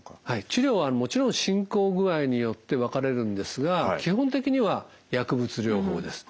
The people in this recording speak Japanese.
治療はもちろん進行具合によって分かれるんですが基本的には薬物療法です。